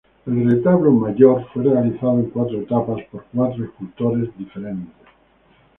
El retablo mayor fue realizado en cuatro etapas, por cuatro escultores diferentes.